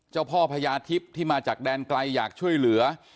เจ้าพ่อพญาทิพย์ที่มาจากแดนไกลอยากช่วยเหลือ